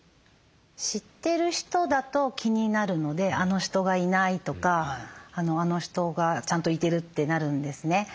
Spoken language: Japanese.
知ってる人だと気になるので「あの人がいない」とか「あの人がちゃんといてる」ってなるんですね。